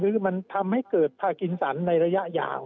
คือมันทำให้เกิดพากินสันในระยะยาว